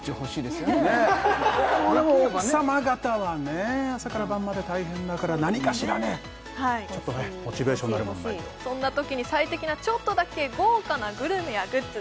でも奥様方はね朝から晩まで大変だから何かしらねちょっとねモチベーションになるものないとそんなときに最適なちょっとだけ豪華なグルメやグッズ